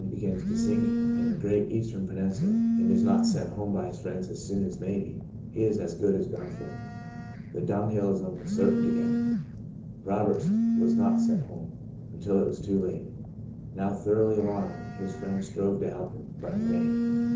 EGBERTS. The Blossoming Desert 143 gins to sink in the great Eastern peninsula and is not sent home by his friends as soon as may be, he is as good as done for. The dunghill is almost certain to get him. Roberts was not sent home — until it was too late. Now thoroughly alarmed, his friends strove to help him, but in vain.